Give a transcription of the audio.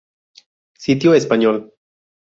Sitio español